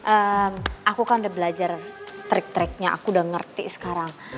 eee aku kan udah belajar trik triknya aku udah ngerti sekarang